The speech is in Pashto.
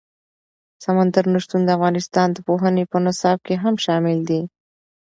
سمندر نه شتون د افغانستان د پوهنې په نصاب کې هم شامل دي.